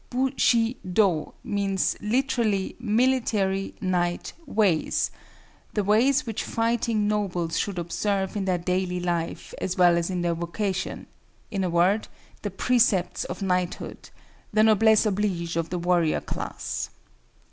Bu shi do means literally Military Knight Ways—the ways which fighting nobles should observe in their daily life as well as in their vocation; in a word, the "Precepts of Knighthood," the noblesse oblige of the warrior class.